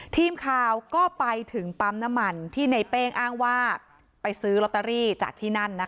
ทีมข่าวก็ไปถึงปั๊มน้ำมันที่ในเป้งอ้างว่าไปซื้อลอตเตอรี่จากที่นั่นนะคะ